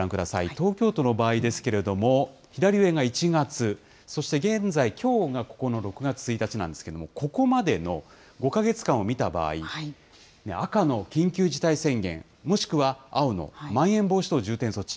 東京都の場合ですけれども、左上が１月、そして現在、きょうがここの６月１日なんですけれども、ここまでの５か月間を見た場合、赤の緊急事態宣言、もしくは青のまん延防止等重点措置。